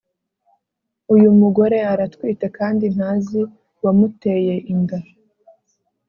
uyumugore aratwite kandi ntazi uwamuteye inda